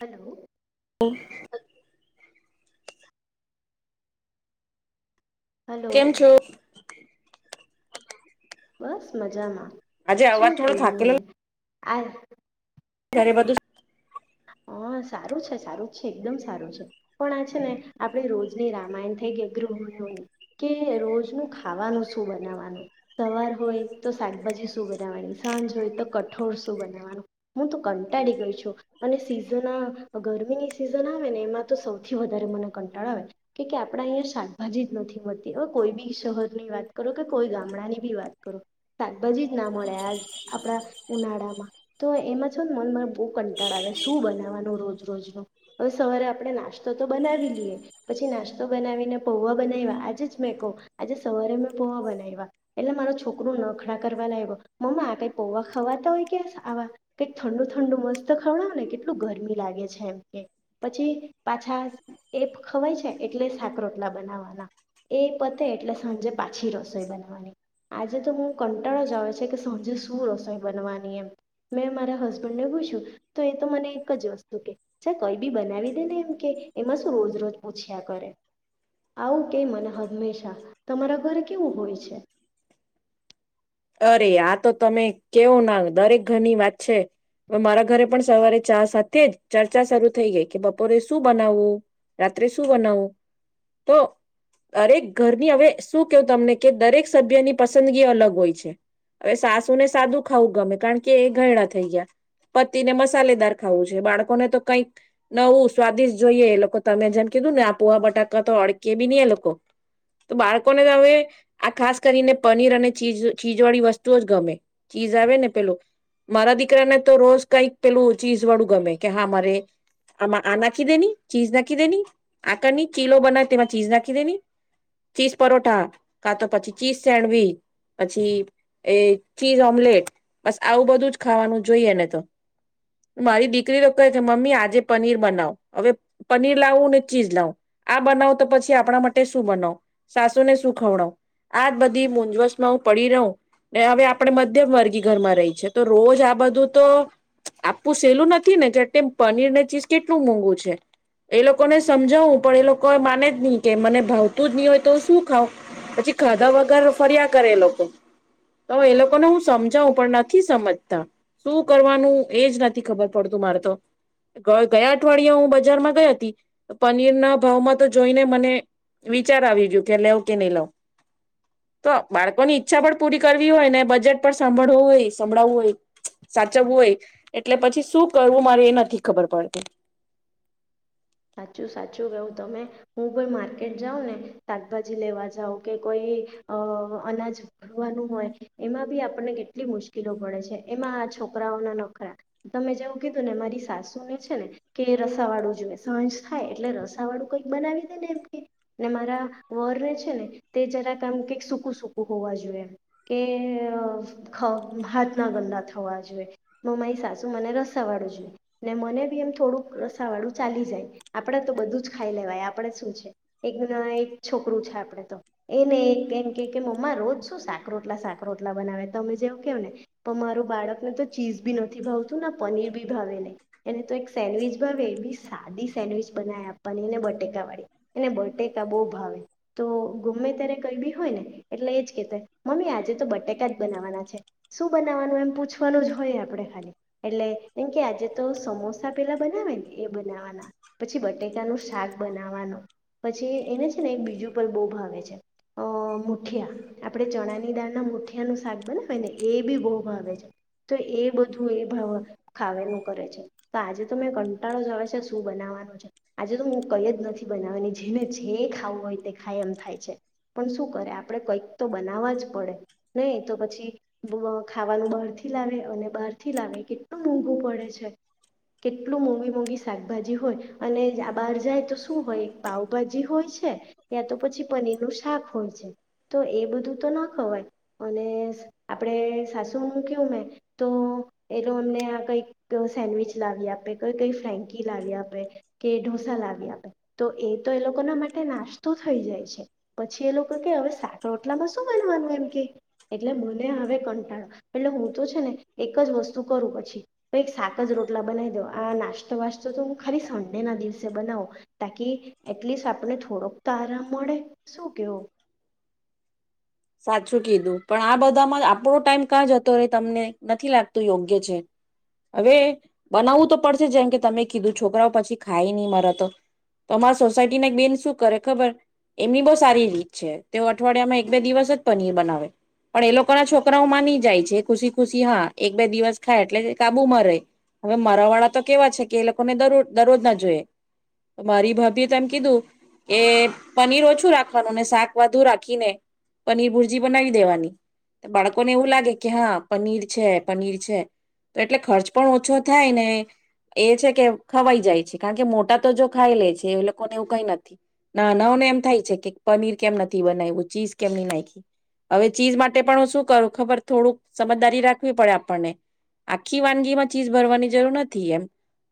Hello hello કેમ છો બસ મજામાં આજે અવાજ થોડો થાકેલો ને આજ ધરે બધું હ સારું છે સારું જ છે એકદમ સારું છે પણ આ છે ને આપણે રોજની રામાયણ થઈ ગઈ ગૃહિણીઓની કે રોજનું ખાવાનું શું બનાવવાનું સવાર હોય તો શાકભાજી શું બનાવવાની સાંજ હોય તો કઠોળ શું બનાવવાનું હું તો કંટાળી ગઈ છું અને સિઝન ગરમીની સિઝન આવે ને એમાં તો સૌથી વધારે મને કંટાળ આવે કે કે આપડા અહી શાકભાજી જ નથી મળતી હવે કોઈ બી શહેરની વાત કરો કે કોઈ ગામડા ની બી વાત કરો શાકભાજી જ ના મળે આ આપડા ઉનાળામાં તો એમાં છો ને મ મને બહ કંટાળ શ બનાવાનું રોજ રોજ ન હવે સવારે આપણે નાસ્તો તો બનાવી લઈએ પછી નાસ્તો બનાવીને પોવા બનાવ્યા આજે જ મેં કહ આજે સવારે મેં પોવા બનાવ્યા એટલે મારો છોકરું નખડા કરવા લાગ્યો મમ્મા આ કઈક પોૌવા ખાવાતા હોય કે આવા કઈક ઠંડુ ઠંડુ મસ્ત ખવડાવ ને કેટલું ગરમી લાગે છે એમ કે પછી પાછા એ ખવાય છે એટલે સાાકરોટલા બનાવવાના એ પતે એટલે સાંજે પાછી રસોઈ બનાવવાની આજે તો હું કંટાળો જ આવે છે કે સાંજે શું રસોઈ બનવાની એમ મેં મારા હસબન્ડ ને પૂછ્યું તો એ તો મને એક જ વસ્તુ કે ચ કઈ બી બનાવી દે ને એમ કે એમાં શું રોજ રોજ પૂછ્યા કરે આવું કે મને હંમેશા તમારા ઘર કેવું હોય છે અરે આ તો તમે કેવો ના દરેક ઘરની વાત છે હવે મારા ઘરે પણ સવારે ચા સાથે જ ચર્ચા શરૂુ થઈ ગઈ કે બપોરે શું બનાવવું રાત્રે શું બનાવવું તો દરેક ઘરની હવે શું કેવું તમને કે દરેક સભ્યની પસંદગી અલગ હોય છે હવે સાસુ ને સાદું ખાવું ગમે કારણ કે એ ઘયડા થઈ ગયા પતિને મસાલેદાર ખાવું છે બાળકોને તો કઈક નવું સ્વાદિષ્ટ જોઈએ એ લોકો તમે જેમ કીધું ને આ પ પોહ બટાકા તો અડકે બી નહી એ લોકો તો બાળકોને હવે આ ખાસ કરીને પનીર અને ચીજ ચીજ વાળી વસ્તુ જ ગમે ચીજ આવે ને પેલું મારા દીકરાને તો રોજ કઈક પેલું ચીજ વાળું ગમે કે હા મારે આમાં આ નાખી દેની ચીજ નાખી દે આકાર ચીલો બનાવે તેમાં ચીઝ નાખી દે ચીઝ પરોઠા કા તો પછી ચીઝ સેન્ડવીચ પછી એ ચીઝ ઓમ્લેટ બસ આવું બધું જ ખાવાનું જોઈએ ને તો મારી દીકરી તો કહે કે મમ્મી આજે પનીર બનાવ હવે પનીર લાવું ને ચીઝ લાવું આ બનાવ તો પછી આપણા માટે શું બનાવ સાસુ ને શું ખવડાવ આજ બધી મૂઝવ હું પડી રહુ ને હવે આપણે મધ્યમ વર્ગીય ઘરમાં રહી છે તો રોજ આ બધું તો આપું સેલું નથી ને કે પનીર ને ચીઝ કેટલું મોંઘું છે એ લોકોને સમજાવું પણ એ લોકો માને જ નહી કે મને ભાવતું જ નહી હોય તો હુ શું ખાવં પછી ખાધા વગર ફરી એ લોકો તો એ લોકોને હું સમજાવું પણ નથી સમજતા શું કરવાનું એજ નથી ખબર પડતું મારે તો ગ ગયા અઠવાડિયા હું બજારમાં ગઈ હતી પનીર ના ભાવમાં તો જોઈને મને વિચાર આવી ગયયો કે લેવ કે નહી લઉ તો બાળકોની ઈચ્છા પણ પૂરી કરવી હોય ને બજેટ પણ સાંભળવું હોય સંભાવવું હોય સાચવવું હોય એટલે પછી શું કરવું મારે એ નથી ખબર પડતી સાચું સાચું કવું તમે હું પણ માર્કેટ જાઉ ને શાકભાજી લેવા જાવ કે કોઈ અ અનાજ ભરવાનું હોય એમાં બી આપણને કેટલી મુશ્કેલો પડે છે એમાં આ છોકરાઓના નખરા તમે જેવું કીધું ને મારી સાસુ ને છે ને કે રસાવાળું જોય સાંજ થાય એટલે રસા વાળું કઈક બનાવી દે ને એમ કે ને મારા વરને છે ને તે જરાકામ કઈક સૂકું સકું હોવા જોઈએ એમ કે હાથ ના ગંદા થવા જોઈએ મારી સાસુ મને રસા વાળું જોઈએ ને મને બી એમ થોડુંક રસાવાળું ચાલી જાય આપણે તો બધું જ ખાઈ લેવાય આપણે શું છે એક એક છોકરું છે આપણે તો એને કેમ કે કે મમ્મા રોજ શું સાકરોટલા સાકરોટલા બનાવે તમે જેવું કેહવ ને પણ મારું બાળકને તો ચીઝ બી નથી ભાવતું ના પનીર બી ભાવે નહી એને તો એક સેન્ડવીચ ભાવે બી સાદી સેન્ડવીચ બનાવે આપવાની એને બટેકા વાળી એને બટેકા બહુ ભાવે તો ગમે ત્યારે કઈ બી હોય ને એટલે એજ કેતા મમ્મી આજે તો બટેકા જ બનાવવાના છે શું બનાવાનું એમ પૂછવાનું જ હોય આપણે ખાલી એટલે એમ કે આજે તો સમોસા પેલા બનાવે ને એ પછ બટેકાનું શાક બનાવાનું પછી એને છે ને એક બીજું પર બહુ ભાવે છે, અ મુઠિયા આપડે ચણાની દાળના મુઠિયાનું શને એ બી બહુ ભાવે છે તો એ બધું એ ખાવવાનું કરે છે તો આજે તો મેં કંટાળો જ શું બનાવવાનું છે, આજે તો હું કઈ જ નથી બનાવે જેને જે ખાવું હોય તે ખાય એમ થાય છે, પણ શું કરે આપણે કઈક તો બનાવવા જ પડે, નહી તો પછી ખાવાનું બહારથી લાવે અને બહારથી લાવે કેટલું મોંઘું પડે છે, કેટલું મોંઘી મોંઘી શાકભાજી હોય, અને આ બહાર જાય તો શું હોય એક પાઉભાજી હોય છે, યા તો પછી પનીરનું શાક હોય છે તો એ બધું તો ના ખવાય અને આપણે સાસુ મ કહું મેં તો એ તો અમને આ કંઈક સેન્ડવીચ લાવી આપે કઈ કઈ ફ્રાઈંગ ી લાવી આપે કે ઢોસા લાવી આપે. તો એ તો એ લોકો ના માટે નાસ્તો થઈ જાય છે, પછી એ લોકો કે હવે સાક રોટલામાં વાનુંમ કે, એટલે મને હવે કંટાળો, એટલે હું તો છે ને એક જ વસ્તુ કરું પછી તો એક સાાક જ રોટલા બનાવી દઉ આ નાસ્તો વાસ્ ખાલી સંડે ના દિવસે બનાવું, તાકી એટલીસ્ટ આપણે થોડોક તારા મોડે, શું કવો? સાચું કીધું પણ આ બધામાં આપણો ટાઈમ કાં જ હતો ર તમને નથી લાગતું યોગ્ય છે, હવે બનાવવું તો પડશે જેમ કે તમે કીધું છોકરાઓ પછી ખાઈ નહીં મરાતો, તો અમારા સોસાયટી ના એક બેન શું કરે ખબર, એમની બહ સારી રીત છે તે અઠવાડિયામાં એક બે દિવસ પર બનાવે, પણ એ લોકો ના છોકરાઓ માની જાય છે ખુશી ખુશી હા એક બે દિવસ ખાય એટલે કાબુમાંરે, હવે મરાવા વાળા તો કેવા છે કે એ લોકોને દરરોજ ના જોઈએ મારી ભાભી તો કીધું કે પનીર ઓછું રાખવાનું શાક વધુ રાખીને પનીર ભુરજી બનાવી દેવાની બાળકોને એવું લાગે કે હા પનીર છે પનીર છે તો એટલે ખર્ચ પણ ઓછો થાય ને એ છે કે ખવાઈ જાય છે કારણ કે મોટા તો જો ખાઈ લે છે એ લોકોને એવું કઈ નથી નાનાઓને એમ થાય છે કે પનીર કેમ નથી બનાવું ચીઝ કેમની નાખી હવે ચીજ માટે પણ હ શું કરું ખબર થોડુંક સમજદારી રાખવી પડે આપણને આખી વાનગી માં ચીજ ભરવાની જરૂર નથી એમ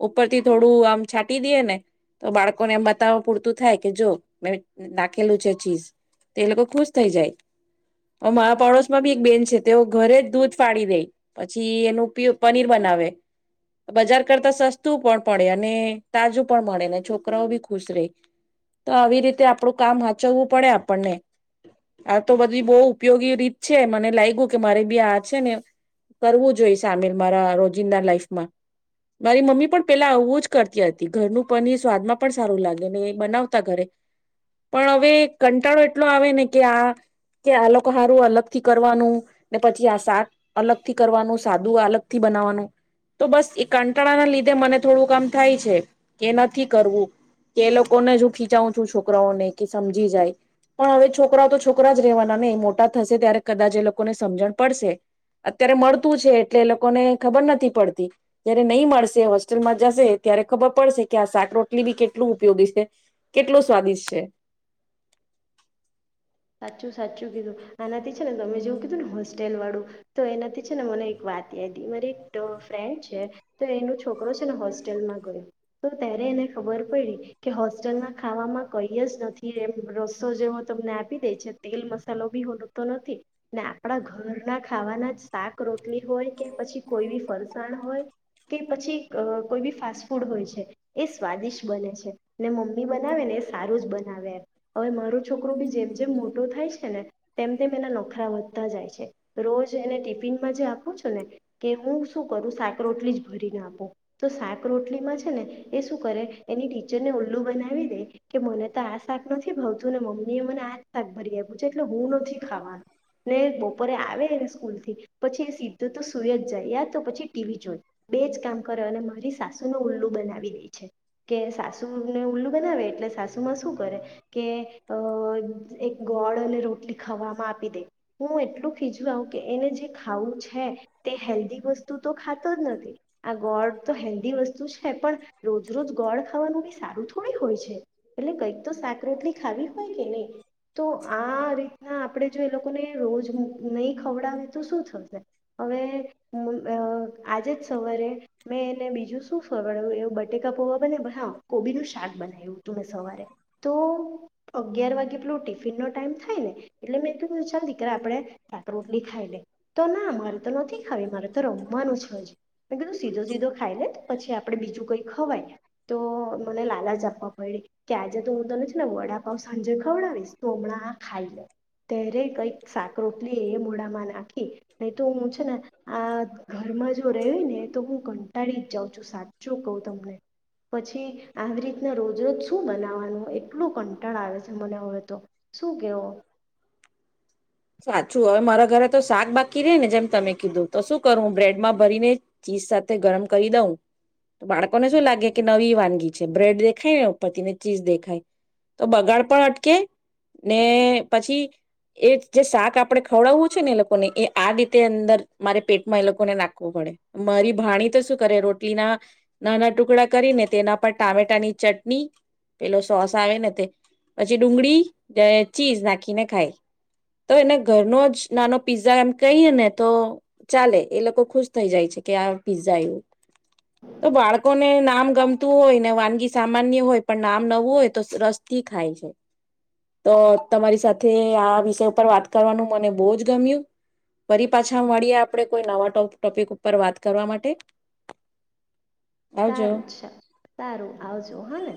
ઉપરથી થોડું આમ છાંટી દઈએ ને તો બાળકોને એમ બતાવવા પૂરતું થાય કે જો મેં નાખેલું છે ચીજ તો એ લોકો ખુશ થ જાય, મા પાડોશ માં બી એક બેન છે તેઓ ઘરે જ દૂધ ફાડી દે, પછી એનું પનીર બનાવે, બજાર કરતા સસ્તું પણ પડે અને તાજું પણ મળે ને છોકરાઓ બી ખુશ રેય તો આવી રીતે આપડું કામ હચવવું પડે આપણને. આ તો બધી બહુ ઉપયોગી રીત છે મને લાગ્યું કે મારે બી આ છે ને, કરવું જોઈએ સામેલ મારા રોજિંદા લાઈફમાં, મારી મમ્મી પણ પેલા આવું જ કરતી હતી ઘરનું પનીર સ્વાદમાં પણ સારું લાગે ને એ બનાવતા ઘરે, પણ હવે કંટાળો એટલો આવે ને કે આ કે આ લોકોહારું અલગ થી કરવાનું ને પછી આ શાક અલગ થી કરવાનું સાદું અલગ થી બનાવવાનું તો બસ એ કંટાળા ના લીધે મને થોડું કામ થાય છે કે નથી કરવું કે લોકોને હું ખીચાવું છું છોકરાઓને કે સમજી જાય પણ હવે છોક છોકરાઓ તો છોકરા જ રહેવાના નહી મોટા થશે ત્યારે કદાચ એ લોકોને સમજણ પડશે, અત્યારે મળતું છે એટલે એ લોકોને ખબર નથી પડતી, જયારે નહી મળશે હોસ્ટેલમાં જશે ત્યારે ખબર પડશે કે આ શાક રોટલી બી કેટલું ઉપયોગી છે, કેટલું સ્વાદિષ્ટ છે. સાચું સાચું કીધું, આનાથી છે ને તમે જેવું કીધું ને હોસ્ટેલ વાળું, તો એનાથી છે ને મને એક વાત યાદી મારી એક ફ્રેન્ડ છે, તો એનું છોકરો છે ને હોસ્ટેલમાં ગયો તો, ત્યારે એને ખબર પડી કે હોસ્ટેલમાં ખાવામાં કઈ જ નથી એમ રસ્સો જેવો તમને આપ તે મસો બી હો તો નથી, ને આપણા ઘરના ખાવાના શાક રોટલી હોય કે પછી કોઈ બી ફરસાણ હોય, કે પછી કોઈ બી ફાસ્ટ ફૂડ હોય છે, એ સ્વાદિષ્ટ બને છે, ને મમ્મી બનાવે ને એ સારું જ બનાવે, હવે મારું છોકરું બી જેમ જેમ મોટો થાય છે ને, તેમ તેમ એના નોખરા વધતા જાય છે, રોજ એને ટિફિનમાં જે આપું છું ને કે હું શું કરું શાક રટલી જ ભરીને આપું તો શાક રટલીમાં છે ને એ શું કરે એની ટીચરને ઉલ્લું બનાવી દે કે મને તો આ શાક નથી ભાવતું, ને મમ્મી એ મને આ શાકભરી આવ પ્યું છેે એટલે હું નથી ખાવાનું, ને બપોરે આવેને સ્કૂલ થી, પછી સીધું તો સુઈ જ જાય યાર તો પછી ટીવી જોઈ. બે જ કામ કરે અને મારી સાસુનું ઉલ્લું બનાવી દે છે, કે સાસુને ઉલ્લું બનાવે એટલે સાસુમાં શું કરે, કે અ ગોળ અને રોટલી ખાવામાં આપી દે, હું એટલું ખીજું આવ કે એને જે ખાવું છે, તે હેલ્ધી વસ્તુ તો ખાતો જ નથી. ગોળ તો હેલ્ધી વસ્તુ છે પણ રોજ રોજ ગોળ ખાવાનું બી સારું થોડી હોય છે, એટલે કંઈક તો શાક રોટલી ખાવી હોય કે નહીં. તો આ રીતના આપણે જો એ લોકોને રોજ નહીં ખવડાવે તો શું થશે, હવે આજે જ સવારે મેં એને બીજું શું ફડું એવું બટેકા પોવા બને કોબી નું શાક બનાવ્યું હતું મેં સવારે, તો અગયાર વાગ ટિફિન નો ટાઈમ થાય ને, એટલે મે કીધ ચાલ દીકરા આપડે સાક રોટલી ખાઈ લે, તો ના મારે તો નથી ખાવી મારે તો રમવાનું છે અજી, મે કીધું- સીધો સીધો ખાઈ લે તો પછી આપડે બીજું કઈ ખવાય, તો મને લાલાજ આપવા પડે કે આજે તો હું તને છે ને વડાપ સાંજે ખવડાવીશ તો હમણાં આ ખાઈ લે, ત્યારે કઈક શાક રોપલી એ મડાામાં નાખી, ન તો હું છે ને આ ઘરમાં જો રહ્યો ને તો હ કંટાળી જ જાઉં છું સાચું કઉ તમને, પછી આવી રીતના રોજ રજ શું બનાવવાનું એટલું કંટાળ આવે છે. મને આવ તો, શું કેવો? સાચું હવે મારા ઘરે તો શાક બાકી રહેે ને જેમ તમે કીધું તો શું કરવું બ્રેડમાં ભરીને ચીઝ સાથે ગરમ કરી દઉં, બાળકોને શું લાગે કે નવી વાનગી છે બ્રેડ દેખાય ને ઉપરથી ને ચીઝ દેખાય, તો બગાડ પણ અટકે ને પછી એ જે શાક આપણે ખવડાવવું છે ને એ લોકોને એ આ રીતે અંદર મારે પેટમાં એ લોકોને નાખવું પડે, મારી ભાણી તો શું કરે રોટલી ના, નાના ટુકડા કરીને તેના પર ટામેટાની ચટણી પેલો સોસ આવે ને તે, પછી ડુંગળી ચીઝ નાખીને ખાય, તો એને ઘરનો જ નાનો પીઝા એમ કહીએ ને તો ચાલે એ લોકો ખુશ થઈ જાય છે કે આ પઝું તો બાળકોને નામ ગમતું હોય ને વાનગી સામાન્ય હોય પણ નામ નવું હોય તો રસ થી ખાય છે તો તમારી સાથે આ વિષય ઉપર વાત કરવાનું મને બહુ જ ગમ્યું ફરી પાછા મળીએ આપડે કોઈ નવા ટોપિક ઉપર વાત કરવા માટે આવજો સારું છે સારું આવજો હા ને.